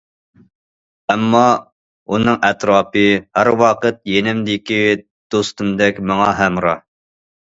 ئەمما، ئۇنىڭ ئەتراپى، ھەر ۋاقىت يېنىمدىكى دوستۇمدەك ماڭا ھەمراھ.